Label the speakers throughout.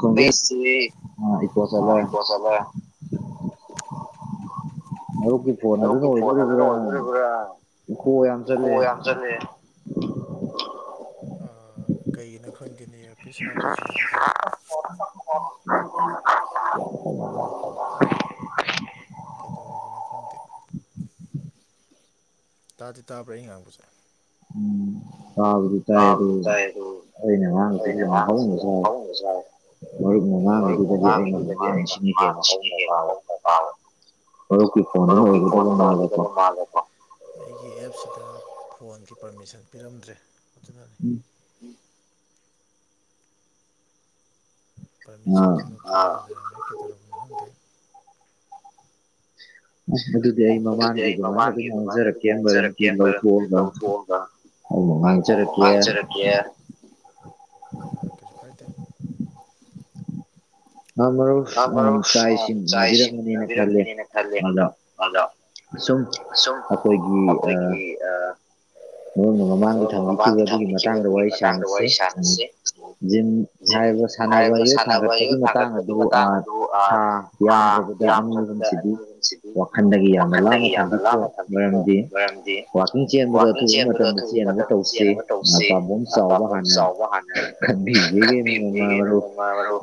Speaker 1: ꯀꯖꯦ ꯑ ꯏꯀ ꯆꯂ [unintelligible] ꯃꯔꯨꯞꯛꯀꯤ ꯐꯣꯟ ꯑꯗꯨꯅ ꯑꯣꯏꯗꯣꯔꯤꯕ꯭ꯔꯥ ꯎꯀꯣ ꯌꯥꯝ ꯆꯠꯂꯦ
Speaker 2: ꯀꯩꯒꯤꯅꯣ ꯈꯪꯗꯦꯅꯤꯄꯤꯤꯁ ꯍꯥꯞꯄꯗꯤ
Speaker 1: [unintelligible]
Speaker 2: ꯇꯔꯗ ꯐꯇ ꯇꯥꯗꯤ ꯇꯥꯕ꯭ꯔꯥ ꯑꯩ ꯉꯥꯡꯕꯁꯦ
Speaker 1: ꯎꯝ ꯇꯥꯕꯗꯤ ꯇꯥꯏ ꯑꯗꯨ ꯑꯩꯅ ꯑꯉꯥꯡꯁꯤꯁꯨ ꯌꯥꯝ ꯍꯥꯎꯅꯁꯨꯥꯏ ꯃꯔꯨꯞ ꯃꯉꯥꯡꯃꯤꯗꯨꯗꯗꯤ ꯑꯩꯅ ꯏꯃꯥꯅꯁꯤꯡꯅ ꯍꯦꯟꯅ ꯍꯧꯅ ꯄꯥꯕ ꯍꯧꯛꯀꯤ ꯐꯣꯟꯗꯨꯅ ꯎꯒꯗꯕ ꯃꯥꯜꯂꯦꯀꯣ
Speaker 2: ꯍꯗꯀꯣ ꯑꯩꯒꯤ ꯑꯦꯞꯁꯤꯗ ꯐꯣꯟꯒꯤ ꯄꯔꯃꯤꯁꯟ ꯄꯤꯔꯝꯗ꯭ꯔꯦ ꯑꯗꯨꯅꯅꯤ
Speaker 1: ꯎꯝ
Speaker 2: ꯄꯃꯤꯁꯟꯁꯤ ꯂꯧꯊꫭꯛꯑꯒꯥ ꯂꯩꯔꯝꯃꯦ ꯀꯩꯗꯧꯔꯕꯅꫭ ꯈꯪꯗꯦ
Speaker 1: [inaudible] ꯑꯗꯨꯗꯤ ꯑꯩ ꯃꯃꯥꯡꯒꯤ ꯑꯗꯨꯃꯥꯏꯅ ꯑꯗꯨꯝ ꯍꯥꯏꯖꯔꯛꯀꯦ ꯃꯔꯝꯗꯤ ꯂꯧꯊꯣꯛꯑꯒ ꯍꫭ ꯉꯥꯡꯆꯔꯛꯀꯦ ꯍꯥ ꯃꯔꯨꯞ ꯆꯥꯛ ꯏꯁꯤꯡ ꯎꯅꯕꯤꯔꯝꯃꯅꯦꯅ ꯈꯂꯦ ꯑꯗꯣ
Speaker 2: ꯑꯗꯣ
Speaker 1: ꯁꯨꯝ ꯑꯩꯈꯣꯏꯒꯤ ꯑꯥ [unintelligible] ꯃꯃꯥꯡꯗ ꯊꯝꯕꯤꯈꯤꯕ ꯑꯗꯨꯒꯤ ꯃꯇꯥꯡꯗ ꯋꯥꯔꯤ ꯁꯥꯟꯅꯁꯤ [unintelligible] ꯖꯤꯝ ꯍꯥꯏꯔꯤꯕ ꯁꯥꯟꯅꯕ ꯌꯨꯠ ꯊꯥꯡꯒꯠꯄꯒꯤ ꯃꯇꯥꯡ ꯑꯗꯨ ꯑꯥ ꯊꯥ ꯌꯥꯝꯗ꯭ꯔꯕꯗ ꯗ ꯑꯅꯤ ꯑꯍꯨꯝꯁꯤꯗꯤ ꯋꯥꯈꯟꯗꯒꯤ ꯌꯥꯝ ꯂꯥꯞꯅ ꯊꯝꯕꯤꯈꯣ ꯃꯔꯝꯗꯤ ꯋꯥꯛꯀꯤꯡ ꯆꯦꯟꯕꯗꯣ ꯑꯊꯨꯕ ꯃꯇꯝꯗ ꯆꯦꯟꯅꯕ ꯇꯧꯁꯤ ꯄꯥꯝꯕꯣ ꯆꯥꯎꯕ ꯍꯥꯟꯅ ꯈꯟꯕꯤꯌꯨ ꯃꯤꯔꯦꯝꯅ ꯉꯝꯕ ꯃꯔꯨꯞ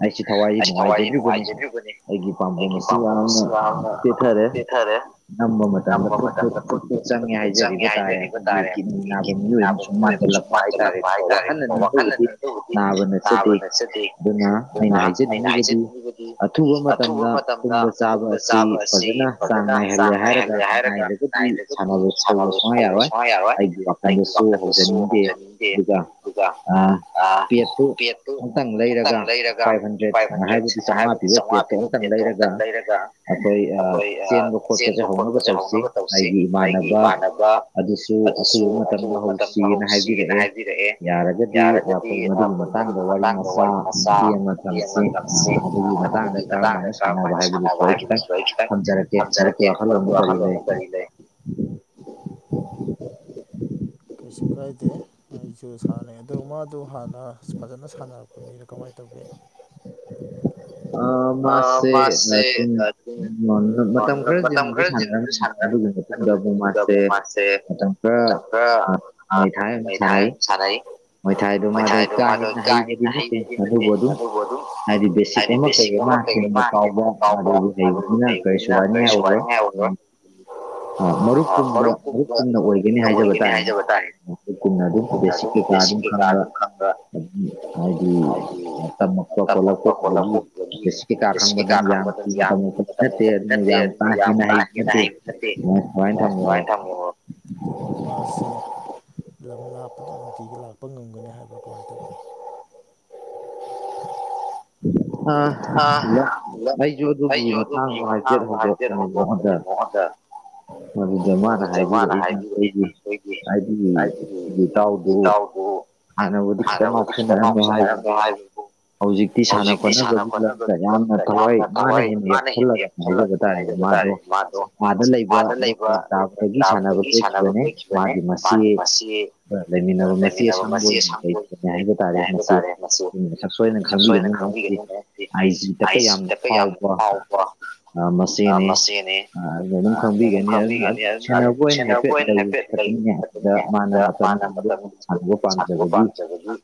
Speaker 1: ꯑꯩꯁꯤ ꯊꯋꯥꯏꯁꯤ ꯅꯨꯡꯉꯥꯏꯖꯔꯤꯕꯅꯤ ꯑꯩꯒꯤ ꯄꯥꯝꯕꯣꯝ ꯑꯁꯤ ꯌꯥꯝꯅ ꯄꯦꯊꯔꯦ ꯅꯝꯕ ꯃꯇꯝꯗ ꯐꯨꯠ ꯐꯨꯠ ꯐꯨꯠ ꯐꯨꯠ ꯆꯪꯉꯦ ꯍꯥꯏꯖꯔꯤꯕ ꯇꯥꯔꯦ ꯑꯩꯈꯣꯏ ꯀꯤꯠꯅꯤ ꯅꯥꯕ ꯃꯤꯑꯣꯏ ꯑꯃꯁꯨ ꯃꯥꯡꯁꯤꯜꯂꯛꯄ ꯍꯥꯏꯇꯥꯔꯦꯅꯦꯀꯣ ꯋꯥꯈꯜꯅꯅꯤ ꯑꯗꯨꯕꯨꯗꯤ ꯅꯥꯕ ꯅꯠꯆꯗꯦ ꯑꯗꯨꯅ ꯑꯩꯅ ꯍꯥꯏꯖꯅꯤꯡꯉꯤꯕꯗꯤ ꯑꯊꯨꯕ ꯃꯇꯝꯗ ꯇꯨꯝꯕ ꯆꯥꯕ ꯑꯁꯤ ꯐꯖꯅ ꯆꯥꯡ ꯅꯥꯏꯍꯜꯂꯦ ꯍꯥꯏ ꯍꯥꯏꯔꯒ ꯅꯥꯏꯗꯔꯒꯗꯤ ꯁꯥꯟꯅꯕ ꯍꯧꯕ ꯁꯨꯡꯌꯥ ꯌꯥꯔꯣꯏ ꯑꯩꯒꯤ ꯋꯥꯈꯜꯗꯁꯨ ꯍꯧꯖꯥꯅꯤꯡꯗꯦ ꯑꯗꯨꯒ ꯑ ꯄ꯭ꯂꯦꯠꯇꯨ ꯑꯝꯇꯪ ꯂꯩꯔꯒ ꯐꯥꯏꯚ ꯍꯟꯗ꯭ꯔꯦꯠ ꯁꯨꯃꯥ ꯍꯥꯏꯕꯗꯤ ꯆꯥꯝꯃꯉꯥ ꯄꯤꯕ ꯄ꯭ꯂꯦꯠꯇꯣ
Speaker 2: ꯄ꯭ꯂꯦꯠꯇꯣ ꯑꯃꯥꯇꯪ ꯂꯩꯔꯒ
Speaker 1: ꯑꯩꯈꯣꯏ ꯆꯦꯟꯕ ꯈꯣꯠꯄꯁꯦ ꯍꯧꯅꯕ ꯇꯧꯁꯤ ꯑꯩꯒꯤ ꯏꯃꯥꯟꯅꯕ ꯑꯗꯨꯁꯨ ꯑꯊꯨꯕ ꯃꯇꯝꯗ ꯍꯧꯁꯤꯅ ꯍꯥꯏꯕꯤꯔꯛꯑꯦ ꯌꯥꯔꯒꯗꯤ ꯑꯩꯈꯣꯏ ꯃꯗꯨꯒꯤ ꯃꯇꯥꯡꯗ ꯋꯥꯔꯤ ꯃꯆꯥ ꯃꯇꯦꯡ ꯑꯃꯇꯪꯁꯤ ꯑꯗꯨꯒꯤ ꯃꯇꯥꯡꯗ ꯀꯔꯝꯍꯥꯏꯅ ꯁꯥꯟꯅꯕ ꯍꯥꯏꯕꯗꯨꯁꯨ ꯑꯩ ꯈꯤꯏꯇꯪ ꯊꯥꯝꯖꯔꯛꯀꯦ ꯃꯔꯨꯞꯀꯤ ꯋꯥꯈꯜꯂꯣꯟꯗ ꯀꯔꯤ ꯂꯩ [unintelligible]
Speaker 2: ꯀꯩꯁꯨ ꯀꯥꯏꯗꯦ ꯑꯩꯁꯨ ꯁꯥꯟꯅꯩ ꯑꯗꯣ ꯃꯥꯗꯣ ꯍꯥꯟꯅ ꯐꯖꯅ ꯁꯥꯟꯅꯔꯛꯄꯅꯤꯅ ꯀꯃꯥꯏꯅ ꯇꯧꯒꯦ
Speaker 1: [inaudible] ꯑ ꯃꯥꯁꯁꯦ ꯅꯠꯇꯦ ꯃꯇꯝ ꯈꯔꯗꯤ ꯑꯗꯨꯗꯥ ꯁꯥꯟꯅꯔꯃꯦ ꯑꯗꯨꯒꯤꯅꯦ ꯃꯇꯨꯡꯗ ꯑꯃꯨꯛ ꯃꯥꯁꯦ ꯃꯇꯝ ꯈꯔ ꯑꯥ ꯃꯥꯏꯊꯥꯏ ꯑꯃꯨꯛ ꯁꯥꯟꯅꯩ ꯃꯣꯏꯊꯥꯏꯗꯣ ꯃꯥꯗꯣ ꯀꯥ ꯍꯦꯟꯅ ꯍꯩꯕꯗꯤ ꯅꯠꯇꯦ ꯑꯗꯨꯕꯨ ꯑꯗꯨꯝ ꯍꯥꯏꯗꯤ ꯕꯦꯁꯤꯛ ꯑꯃ ꯑꯃ ꯀꯩꯒꯤ ꯃꯥ ꯊꯤꯟꯕ ꯀꯥꯎꯕ ꯑꯗꯨ ꯍꯩꯏꯕꯅꯤꯅ ꯀꯔꯤꯁꯨꯨ ꯋꯥꯅꯤꯉꯥꯏ ꯑꯣꯏꯔꯣꯏ ꯑ ꯃꯔꯨꯞ ꯀꯨꯝꯕ ꯃꯔꯨꯞ ꯀꯨꯝꯅ ꯑꯣꯏꯒꯅꯤ ꯍꯥꯏꯖꯕ ꯇꯥꯔꯦꯅꯦꯀꯣ ꯃꯔꯨꯞꯀꯨꯝꯅ ꯑꯗꯨꯝ ꯕꯦꯁꯤꯛꯀꯤ ꯀꯥ ꯑꯗꯨꯝ ꯈꯪꯕ ꯍꯥꯏꯗꯤ ꯍꯥꯏꯗꯤ ꯇꯥꯝꯂꯥꯛꯄ ꯈꫭꯠꯂꯥꯛꯄ ꯑꯗꯨꯗꯒꯤ ꯕꯦꯁꯤꯛ ꯀꯩꯀꯥ ꯈꯪꯕꯗꯗꯤ ꯌꯥꯝ ꯀꯨꯏꯅ ꯇꯝꯃꯛꯄ ꯅꯠꯇꯦ ꯑꯗꯨꯅ ꯌꯥꯝ ꯀꯥ ꯍꯦꯟꯅ ꯍꯩꯕ ꯅꯠꯇꯦ ꯁꯨꯃꯥꯏ ꯁꯨꯃꯥꯏ ꯊꯝꯃꯨꯑꯣ
Speaker 2: ꯊꯝꯃꯨꯑꯣ ꯍꯧꯖꯤꯛ ꯃꯥꯁꯦ ꯂꯝ ꯂꯥꯛꯄꯗ ꯅꯨꯡꯇꯤꯒꯤ ꯂꯥꯛ ꯄ ꯉꯝꯒꯅꯤ ꯍꯥꯏꯕ꯭ꯔ ꯀꯃꯥꯏ ꯇꯧꯒꯦ
Speaker 1: [inaudible] ꯑ ꯑꯩꯁꯨ ꯑꯗꯨꯒꯤ ꯃꯇꯥꯡꯗ ꯍꯥꯏꯐꯦꯠ ꯍꯧꯗꯣꯛꯛꯄꯅꯦ ꯃꯉꯣꯟꯗ ꯑꯗꯨꯗ ꯃꯥꯅ ꯍꯥꯏꯕꯤꯔꯛꯏꯅ ꯑꯩꯈꫭꯏꯒꯤ ꯍꯥꯏꯗꯤ ꯏꯇꯥꯎꯗꯨ ꯍꯥꯟꯅꯕꯨꯗꯤ ꯈꯤꯇꯪ ꯉꯥꯎꯁꯤꯟꯅꯃꯝꯃꯤ ꯍꯥꯏꯕꯕꯨ ꯍꯧꯖꯤꯛꯇꯤ ꯁꯥꯟꯅ ꯈꯣꯠꯅꯕꯒꯤ ꯂꯝꯗ ꯌꯥꯝꯅ ꯊꯋꯥꯏ ꯃꯥꯅ ꯍꯦꯟꯅ ꯌꯥꯎꯁꯜꯂꯛꯑꯦ ꯍꯥꯏꯖꯕ ꯇꯥꯔꯦ ꯃꯥꯗꯣ ꯑꯥꯗ ꯂꯩꯕ ꯗꯣꯛꯇꯔ ꯇꯥꯕꯗꯒꯤ ꯁꯥꯟꯅꯕ ꯂꯦꯞꯈꯤꯕꯅꯦ ꯃꯥꯒꯤ ꯃꯆꯦ ꯑ ꯂꯩꯃꯤꯟꯅꯕ ꯃꯆꯦ ꯁꯪꯕ ꯑꯣꯏꯅ ꯂꯩꯕꯅꯦ ꯍꯥꯏꯕ ꯇꯥꯔꯦ ꯃꯆꯦ [unintelligible] ꯃꯁꯛ ꯁꯣꯏꯗꯅ ꯈꯪ ꯈꯪꯕꯤꯒꯅꯤ ꯃꯔꯝꯇꯤ ꯑꯥꯏꯖꯤꯗꯀ ꯌꯥꯝꯅ ꯐꯥꯎꯕ ꯑ ꯃꯆꯦꯅꯦ ꯑ ꯑꯗꯨꯗ ꯗꯨꯝ ꯈꯪꯕꯤꯒꯅꯤ [unintelligible] ꯑꯗꯨ ꯁꯥꯟꯅꯕ ꯑꯣꯏꯅꯅ ꯐꯦꯠ ꯂꯩꯔꯤ [unintelligible] ꯑ ꯃꯥꯅ ꯃꯇꯝꯗꯨꯗ ꯁꯥꯟꯅꯕ ꯄꯥꯝꯖꯕꯒꯤ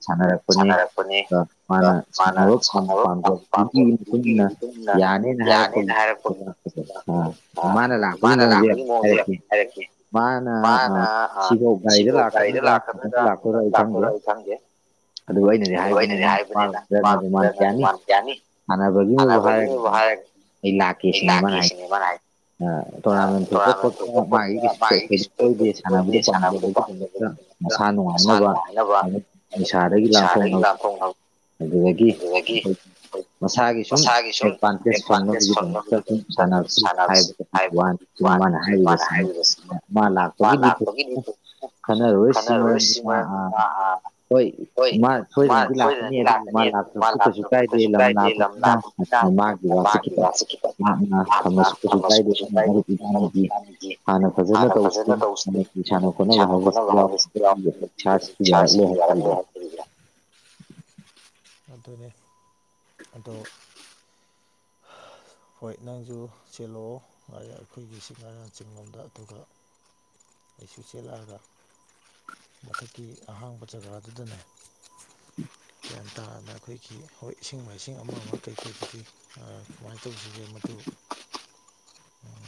Speaker 1: ꯁꯥꯟꯅꯔꯛꯄꯅꯦ ꯑꯗꯣ ꯃꯥꯅ ꯁꯥꯟꯅꯕ ꯄꯥꯝ ꯄꯥꯝꯖꯕꯤꯒꯤ ꯃꯇꯨꯡ ꯏꯟꯅ ꯌꯥꯅꯦꯅ ꯍꯥꯏꯔꯛꯄꯒꯤ [unintelligible] ꯍꯥꯐꯦꯠ ꯑ ꯃꯥꯅ ꯂꯥꯛꯄꯒꯤ ꯃꯑꯣꯡꯁꯦ ꯍꯥꯏꯔꯛꯀꯦ
Speaker 2: ꯍꯥꯏꯔꯛꯀꯦ ꯃꯥꯅ ꯍꯥꯟ ꯁꯤꯕꯧ ꯒꯥꯔꯤꯗ ꯂꯥꯛꯀꯗꯨꯏꯔꯥ ꯂꯥꯛꯑꯔꯣꯏ ꯈꯪꯗꯦ ꯑꯗꯨꯒ ꯑꯩꯅꯗꯤ ꯍꯥꯏꯕꯅꯤꯗ [unintelligible] ꯄꯔꯗꯅ [unintelligible] ꯗꯤꯃꯥꯟ ꯌꯥꯅꯤ ꯁꯥꯟꯅꯕꯒꯤꯅꯤꯕꯨ ꯍꯥꯏꯔꯒ ꯂꯛꯀꯦ ꯁꯤꯅꯦ ꯃꯥꯅ ꯍꯥꯏ
Speaker 1: ꯑ ꯇꯣꯔꯅꯥꯃꯦꯟ ꯊꯣꯛꯇꯣꯛꯄ ꯈꯣꯠꯄ ꯃꯥꯒꯤ ꯀꯩꯁꯨ ꯇꯧ ꯇꯧꯗꯦ ꯇꯧꯗꯦ ꯁꯥꯟꯅꯕꯗꯨ ꯄꯥꯝꯖꯕꯒꯤ ꯗꯃꯛꯇ ꯃꯁꯥ ꯅꯨꯡꯉꯥꯏꯅꯕ [unintelligible] ꯅꯤꯁꯥꯗꯒꯤ ꯂꯥꯟꯞꯊꯣꯛꯅ [unintelligible] ꯗꯨꯗꯒꯤ [unintelligible] ꯃꯁꯥꯒꯤ ꯁꯨꯝ ꯑꯦꯗꯚꯥꯟꯇꯦꯖ ꯐꯪꯅꯕꯒꯤꯗꯃꯛꯇ ꯁꯨꯝ ꯁꯥꯟꯅꯔꯁꯤ ꯍꯥꯏꯕꯅꯤ [unintelligible] ꯁꯤ ꯃꯥꯅ ꯍꯥꯏꯔꯤꯕꯁꯤꯃ ꯃꯥ ꯃꯥ ꯂꯥꯛꯄꯒꯤꯗꯤ [unintelligible] ꯈꯟꯅꯔꯔꯣꯏ ꯁꯤ ꯃꯔꯝꯗꯤ ꯃꯥ ꯑ ꯍꯣꯏ ꯃꯥ ꯁꯣꯏꯗꯅꯗꯤ ꯂꯥꯛꯀꯅꯤ ꯑꯗꯨꯕꯨ ꯃꯥ ꯂꯥꯛꯇ꯭ꯔꯥꯕꯁꯨ ꯀꯩꯁꯨ ꯀꯥꯏꯗꯦ ꯂꯝ ꯂꯥꯞꯄꯝꯅꯤꯅꯥ ꯑꯗꯨꯗ ꯃꯥꯒꯤ ꯋꯥꯁꯨ ꯈꯤꯇꯡ ꯃꯍꯥꯛ ꯅꯛꯇ꯭ꯔꯥꯕꯁꯨ ꯀꯩꯁꯨ ꯀꯥꯏꯗꯦ ꯃꯔꯨꯞ ꯏꯀꯅꯤꯗꯤ ꯍꯥꯟꯅ ꯐꯖꯅ ꯇꯧꯁꯤ ꯍꯟꯗꯛꯇꯤ ꯁꯥꯟꯅ ꯈꯣꯠꯅꯕ ꯍꯥꯏꯕꯁꯤ ꯌꯥꯎ [unintelligible] ꯏꯁꯥꯁꯤ ꯌꯥꯔꯛꯂꯦ [unintelligible] ꯍꯥꯏꯗꯨꯔꯤꯕ꯭ꯔꯥ
Speaker 2: ꯑꯗꯨꯅꯦ ꯑꯗꯣ ꯍꯣꯏ ꯅꯪꯁꯨ ꯆꯦꯜꯂꯛꯑꯣ ꯑꯩ ꯑꯩꯈꯣꯏꯒꯤ ꯆꯤꯡꯉꯥꯔꯥ ꯆꯤꯡꯡꯂꯣꯝꯗ ꯑꯗꯨꯒ ꯑꯩꯁꯨ ꯆꯦꯂꯛꯑꯒ ꯃꯊꯛꯀꯤ ꯑꯍꯥꯡꯕ ꯖꯒꯥꯗꯨꯗꯅꯦ
Speaker 1: [inaudible]
Speaker 2: ꯇꯥꯅ ꯑꯩꯈꯣꯏꯒꯤ ꯍꯣꯏ ꯏꯁꯤꯡ ꯃꯥꯏꯁꯤꯡ ꯑꯃ ꯑꯃ [inaudible] ꯀꯃꯥꯏ ꯇꯧꯁꯤꯒꯦ ꯃꯗꯨ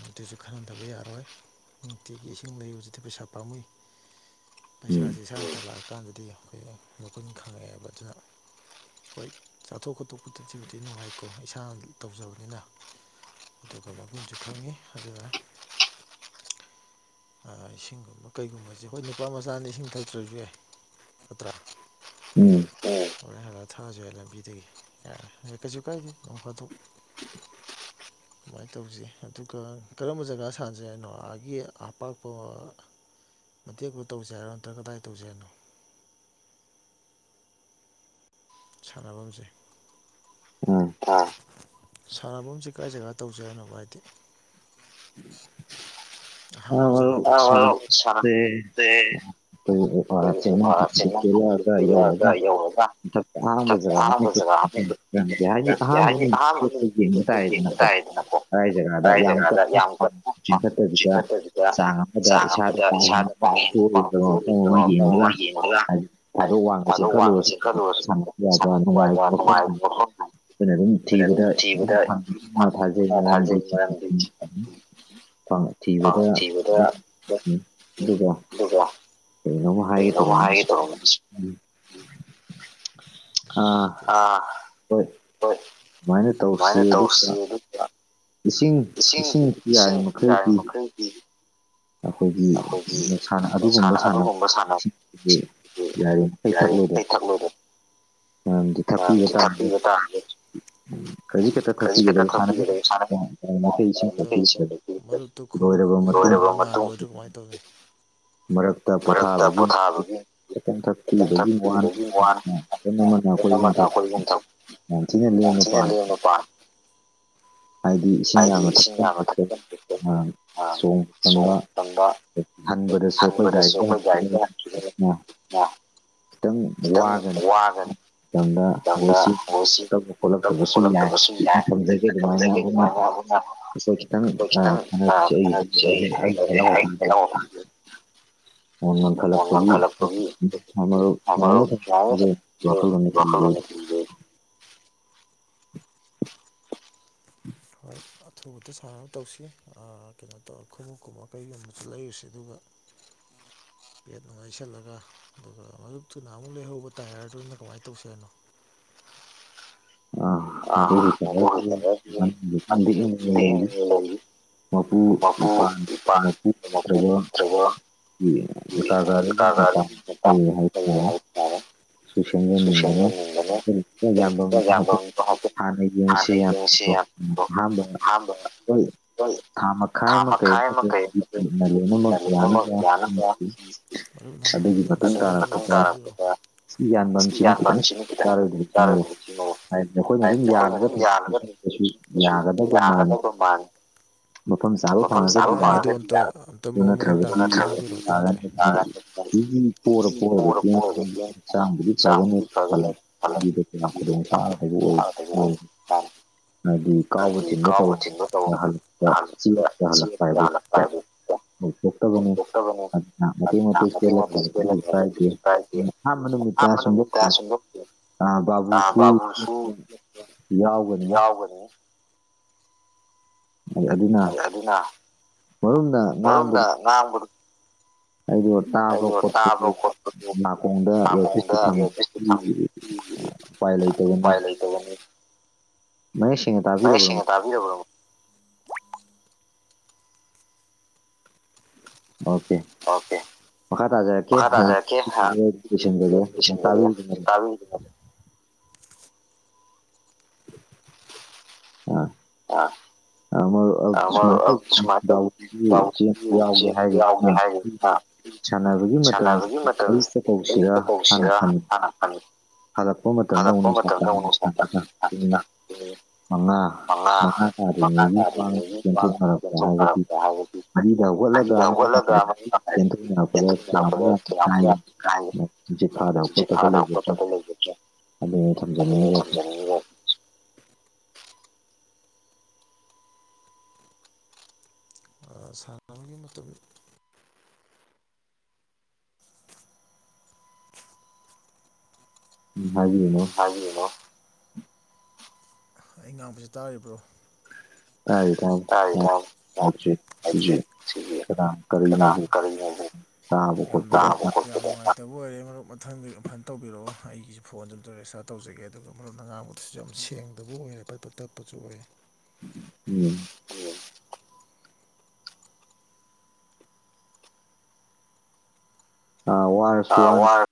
Speaker 2: ꯑꯗꯨꯁꯨ ꯈꯪꯍꯟꯗꯕ ꯌꯥꯔꯣꯏ ꯅꯨꯡꯇꯤꯒꯤ ꯏꯁꯤꯡ ꯂꯩꯕꯁꯤꯗꯤ ꯄꯩꯁꯥ ꯄꯥꯝꯃꯨꯏ ꯄꯩꯁꯥꯁꯦ [inaudible] ꯂꯥꯛꯑꯀꯥꯟꯗꯗꯤ ꯑꯩꯈꯣꯏ ꯃꯀꯨꯟ ꯈꯪꯉꯛꯑꯦꯕ ꯑꯗꯨꯅ ꯍꯣꯏ ꯆꯥꯊꯣꯛ ꯈꯣꯠꯇꯣꯛꯄꯗꯗꯤꯕꯨꯗꯤ ꯅꯨꯡꯉꯥꯏꯀꯣ ꯏꯁꯥꯒꯤ ꯇꯧꯖꯕꯗ ꯅꯤꯅ ꯑꯗꯨꯒ ꯃꯒꯨꯟꯁꯨ ꯈꯪꯉꯤ ꯑꯗꯨꯅ ꯏꯁꯤꯡꯒꯨꯝꯕ ꯀꯩꯒꯨꯝꯕꯁꯦ ꯍꯈꯣꯏ ꯅꯨꯄꯥ ꯃꯆꯥꯅ ꯏꯁꯤꯡ ꯊꯩꯇ꯭ꯔꯁꯨ ꯌꯥꯏ ꯅꯠꯇ꯭ꯔꯥ
Speaker 1: ꯎꯝ
Speaker 2: ꯍꯣꯔꯦꯟ ꯍꯥꯟꯅꯛ ꯊꯛꯑꯁꯨ ꯌꯥꯏ ꯂꯝꯕꯤꯗꯒꯤ ꯌꯥꯔꯦ ꯀꯩꯁꯨ ꯀꯥꯏꯗꯦ ꯅꯣꯡ ꯐꯥꯗꯣꯛ ꯑꯗꯨꯃꯥꯏꯅ ꯇꯧꯖꯩ ꯑꯗꯨꯒ ꯀꯔꯝꯕ ꯖꯒꯥ ꯁꯥꯥꯟꯖ ꯍꯥꯏꯅꯣ ꯑꯥꯒꯤ ꯑꯄꯥꯛꯄ ꯃꯇꯦꯛꯄ ꯇꯧꯁꯦ ꯍꯥꯏꯔꯣ ꯅꯠꯇ꯭ꯔꯒ ꯀꯗꯥꯏ ꯇꯧꯁꯦ ꯍꯥꯏꯅꯣ ꯁꯥꯟꯅꯐꯝꯁꯦ
Speaker 1: ꯎꯝ
Speaker 2: ꯁꯥꯟꯅꯕꯣꯁꯤꯦ ꯀꯥꯏ ꯖꯒꯥ ꯇꯧꯖ ꯍꯥꯏꯅꯣꯕ ꯍꯥꯏꯗꯤ
Speaker 1: ꯑ ꯁꯔꯦ ꯆ ꯑꯗꯨ ꯀꯂꯑꯒ ꯌꯧꯔꯒ ꯃꯊꯛꯇ ꯑꯍꯥꯡꯥꯟꯕ ꯖꯒꯥ ꯑꯃ ꯍꯥꯏꯗꯤ ꯑꯍꯥꯟꯕ ꯅꯨꯃꯤꯠꯇ ꯌꯦꯡꯕ ꯇꯥꯔꯦꯗꯅꯀꯣ ꯀꯥꯏꯖꯒꯗ ꯌꯥꯝ ꯀꯟꯅ ꯆꯤꯡꯈ ꯆꯥꯡ ꯑꯃꯗ ꯏꯁꯥꯗ ꯀꯥ ꯍꯦꯟꯅ ꯄꯥꯕꯗꯨ ꯑꯣꯏꯗꯕ ꯃꯐꯝ ꯑꯃ ꯌꯦꯡꯉꯒ ꯍꯥꯏ ꯊꯥꯗꯣꯛ ꯋꯥꯡꯅ ꯆꯦꯀꯠꯂꯨꯔꯁꯨ ꯁꯄ ꯌꯥꯕ ꯅꯨꯡꯉꯥꯏꯕ ꯃꯐꯝ ꯑꯩꯈꯣꯏꯅ ꯑꯗꯨꯝ ꯊꯤꯕꯗꯅ ꯊꯥꯖꯩ ꯃꯔꯝꯗꯤ ꯊꯤꯕꯗ ꯑꯗꯨꯝ ꯎꯝ ꯑꯗꯨꯒ
Speaker 2: ꯑꯗꯨꯒ
Speaker 1: ꯀꯩꯅꯣꯃ ꯍꯥꯏꯒꯦ ꯇꯧꯔ ꯎ
Speaker 2: ꯑ ꯍꯣꯏ ꯁꯨꯃꯥꯏꯅ ꯇꯧꯁꯤ ꯑꯗꯨ
Speaker 1: ꯏꯁꯤꯡ ꯏꯁꯤꯡ ꯌꯥꯔꯤ ꯃꯈꯩꯗꯤ
Speaker 2: ꯎꯝ
Speaker 1: ꯑꯩꯈꯣꯏꯒꯤ ꯁꯥꯟꯅ ꯑꯗꯨꯒꯨꯝꯕ ꯁꯥꯟꯅꯕꯁꯤꯡꯗꯤ ꯌꯥꯔꯤ ꯃꯈꯩ ꯊꯛꯂꯣꯏꯗꯕꯅꯤ ꯃꯔꯝꯗꯤ ꯊꯛꯄꯤꯕ ꯇꯥꯔꯒꯗꯤ [unintelligible]
Speaker 2: [unintelligible]
Speaker 1: ꯃꯔꯛꯇ ꯄꯣꯊꯥꯕꯒꯤ ꯈꯤꯇꯪ ꯊꯛꯄꯤꯕꯒꯤ ꯋꯥꯅꯤ [unintelligible] ꯌꯥꯝ ꯊꯤꯅ ꯂ‌ꯦꯝꯅ ꯄꯥꯅ ꯍꯥꯏꯗꯤ ꯏꯁꯤꯡ ꯌꯥꯝꯅ ꯊꯛꯁꯤꯟꯕꯁ‌ꯦ [unintelligible] ꯆꯣꯡ ꯐꯟꯕ [unintelligible]
Speaker 2: ꯑ ꯈꯤꯇꯪ ꯋꯥꯒꯅꯤ
Speaker 1: ꯃꯇꯝꯗ ꯑꯩꯈꯣꯏ ꯁꯤ ꯇ ꯈꯣꯠꯂꯛꯇꯕꯁꯨ ꯌꯥꯏ ꯅꯠꯇꯗꯒꯤ ꯑꯗꯨꯃꯥꯏꯅ ꯑꯩꯈꯣꯏꯅ [unintelligible] [unintelligible] [inaudible] [inaudible]
Speaker 2: ꯍꯣꯏ ꯑꯊꯨꯕꯗ ꯁꯥꯟꯔꯒ ꯇꯧꯁꯤ ꯀꯩꯅꯣ ꯇꯧꯔ ꯈꯣꯡꯎꯞꯀꯨꯝꯕ ꯀꯩꯒꯨꯝꯕꯁꯨ ꯂꯩꯔꯨꯁꯤ ꯑꯗꯨꯒ
Speaker 1: [inaudible]
Speaker 2: ꯄꯦꯠꯅ ꯂꯩꯁꯜꯂꯒ ꯑꯗꯨꯒ ꯃꯔꯨꯞ ꯊꯨꯅ ꯑꯃꯨꯛ ꯂꯩꯍꯧꯕ ꯇꯥꯏꯌꯔꯗꯨꯅ ꯀꯃꯥꯏꯅ ꯇꯧꯁꯤ ꯍꯥꯏꯅꯣ
Speaker 1: [unintelligible] ꯃꯄꯨꯄꯥꯥꯟ ꯃꯄꯨ ꯂꯩꯇ꯭ꯔꯒ [unintelligible]
Speaker 2: [unintelligible] [unintelligible] ꯍꯣꯏ ꯊꯥ ꯃꯈꯥꯏ ꯑꯃ ꯀꯩ ꯑꯃꯗꯅ ꯂꯣꯏꯅꯃꯛ ꯌꯥꯅꯕ ꯑꯗꯨꯒꯤ ꯃꯥꯇꯨꯡ‌ ꯇꯥꯔꯛꯄꯗ
Speaker 1: ꯁꯤ ꯌꯥꯟꯕꯝ ꯁꯤꯅꯤ ꯈꯤꯇꯪ ꯆꯥꯔꯣꯏꯗꯔꯤꯁꯤ [unintelligible] ꯍꯥꯏꯗꯤ ꯑꯩꯈꯣꯏꯅ ꯑꯗꯨꯝ ꯌꯥꯜꯂꯒ ꯊꯁꯨ ꯀꯩꯁꯨ ꯌꯥꯒꯗꯧ ꯃꯟꯗ‌ꯦ ꯃꯐꯝ ꯆꯥꯕ ꯐꯪꯉꯒꯗꯤ ꯌꯥꯔ‌ꯦ ꯑꯗꯨ ꯅꯠꯇ꯭ꯔꯒꯗꯤ [unintelligible] [unintelligible] ꯈꯨꯗꯣꯡꯆꯥꯥꯒꯗꯕ ꯑꯣꯏꯗꯧ ꯃꯟꯗ‌ꯦ ꯍꯥꯏꯗꯤ ꯀꯥꯎꯕ ꯊꯤꯟꯕ ꯇꯧꯕ ꯍꯥꯏꯕꯁ‌ꯦ [unintelligible] [unintelligible] [unintelligible]
Speaker 2: [unintelligible]
Speaker 1: ꯑ ꯕꯥꯕꯨ ꯁꯤ
Speaker 2: ꯕꯥꯕꯨꯁꯨ ꯌꯥꯎꯒꯅꯤ
Speaker 1: ꯑꯗꯨꯅ ꯃꯔꯨꯝꯅ ꯉꯥꯡꯕꯗꯨ
Speaker 2: ꯉꯥꯡꯕꯗꯨ
Speaker 1: ꯑꯩꯗꯣ ꯇꯥꯕ ꯈꯣꯠꯄꯗꯣ ꯅꯥꯀꯣꯡꯗ ꯏꯌꯥꯔꯐꯤꯁ ꯁꯨ ꯊꯝ ꯎꯄꯥꯏ ꯂꯩꯇꯕꯅ‌ꯦ
Speaker 2: ꯎꯄꯥꯏ ꯂꯩꯇꯕꯅ‌ꯦ
Speaker 1: ꯃꯌ‌ꯦꯛ ꯁ‌ꯦꯡꯅ ꯇꯥ
Speaker 2: ꯃꯌ‌ꯦꯛ ꯁꯦꯡꯅ ꯇꯥꯕꯤꯔꯕ꯭ꯔꯣ
Speaker 1: ꯑꯣꯀꯦ
Speaker 2: ꯑꯣꯀꯦ ꯃꯈꯥ‌ ꯇꯥꯖꯔꯛꯀ‌ꯦ [unintelligible]
Speaker 1: ꯑ
Speaker 2: ꯑ
Speaker 1: ꯑꯃ ꯁꯨꯃꯥꯏꯅ ꯇꯧꯕ ꯌꯥꯎꯒꯦ ꯍꯥꯏꯗꯅ ꯁꯥꯟꯅꯕꯒꯤ ꯃꯇꯝ ꯑꯩ ꯃꯇꯧꯁꯤꯗ ꯍꯥꯟꯅ ꯐꯉ
Speaker 2: ꯍꯟꯂꯛ ꯄ ꯃꯇꯝꯗ ꯑꯃꯨꯛ ꯅꯨꯡꯁꯥ ꯁꯥꯅꯤꯕ ꯑꯗꯨꯒꯤ ꯅꯦ ꯃꯉꯥ ꯃꯉꯥ ꯇꯥꯔꯤꯉꯩꯒꯤꯣꯛꯔꯛꯄ ꯍꯥꯏꯕꯗꯤ [unintelligible] ꯇꯨꯝꯁꯤꯠ ꯐꯥꯗꯥꯕ ꯈꯣꯠꯇꯕ ꯂꯩꯕꯒꯤ
Speaker 1: ꯑꯗꯨ ꯈꯝꯖꯅꯤꯡꯉꯩꯕꯥ
Speaker 2: ꯁꯥꯟꯅꯕꯒꯤ ꯃꯇꯝ
Speaker 1: ꯎꯝ ꯍꯥꯏꯕꯤ ꯎꯅꯦ
Speaker 2: ꯍꯥꯏꯕꯤ ꯑꯣꯅꯦ ꯑꯩ ꯉꯥꯡꯕꯁꯦ ꯇꯥꯔꯤꯕ꯭ꯔꯣ ꯇꯥꯔꯤ ꯇꯥꯔꯤ [unintelligible] [unintelligible] ꯐꯠꯇꯕꯨ ꯑꯣꯏꯔꯦ ꯃꯔꯨꯞ ꯃꯊꯪꯗ ꯐꯟ ꯇꯧꯕꯤꯔꯛꯑꯣ ꯑꯩꯒꯤꯁꯨ ꯐꯣꯟꯗꯨ ꯑꯝꯣ ꯔꯦꯁꯥꯔ ꯇꯧꯖꯒꯦ ꯑꯗꯨꯒ ꯃꯔꯨꯞ ꯑꯥꯡꯕꯗꯣ ꯨꯁꯨ ꯌꯥꯝ ꯁꯦꯡꯗꯕ ꯑꯣꯏꯔꯦ ꯄꯠꯄ ꯇꯛꯄꯁꯨ ꯑꯣꯏꯔꯦ
Speaker 1: ꯎꯝ
Speaker 2: ꯎꯝ
Speaker 1: ꯑ ꯋꯥꯔꯁꯨ ꯋꯥꯅ